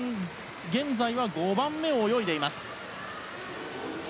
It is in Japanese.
現在は５番目を泳いでいます。